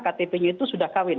ktpnya itu sudah kawin